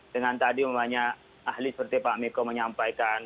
dengan tadi banyak ahli seperti pak miko menyampaikan